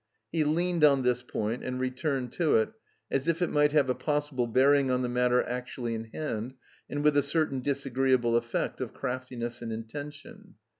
He leaned on this point and re turned to it, as if it might have a possible. bearing on the matter actually in hand, and with a certain effect ol ct^t.YQss& and intention.